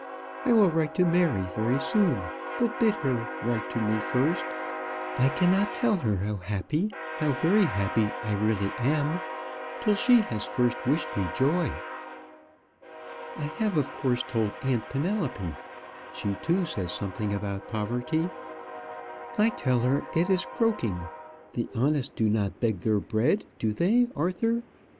I will write to Mary very soon; but bid her write to me first. I cannot tell her how happy, how very happy I really am, till she has first wished me joy. I have, of course, told aunt Penelope. She, too, says something about poverty. I tell her it is croaking. The honest do not beg their bread; do they, Arthur?